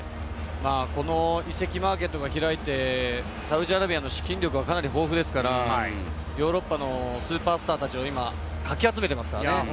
移籍マーケットが開いてサウジアラビアの資金力はかなり豊富ですから、ヨーロッパのスーパースターたちを今、かき集めてますからね。